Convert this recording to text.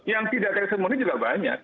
yang tidak terresimoni juga banyak